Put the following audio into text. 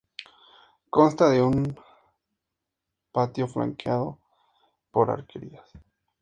Consta de un patio flanqueado por arquerías.